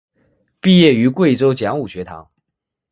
毕业于贵州讲武学堂。